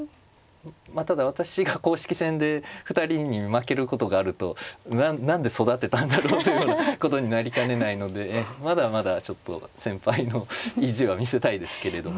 まあただ私が公式戦で２人に負けることがあると何で育てたんだろうというようなことになりかねないのでまだまだちょっと先輩の意地は見せたいですけれども。